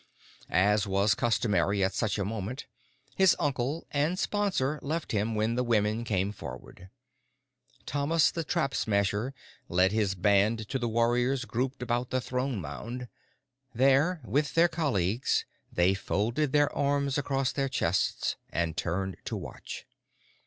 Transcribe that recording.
As was customary at such a moment, his uncle and sponsor left him when the women came forward. Thomas the Trap Smasher led his band to the warriors grouped about the Throne Mound. There, with their colleagues, they folded their arms across their chests and turned to watch.